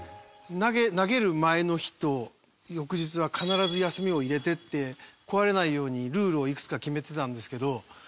投げる前の日と翌日は必ず休みを入れてって壊れないようにルールをいくつか決めてたんですけど。